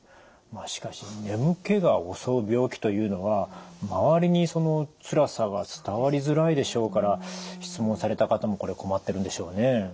しかし眠気が襲う病気というのは周りにつらさが伝わりづらいでしょうから質問された方もこれ困ってるんでしょうね。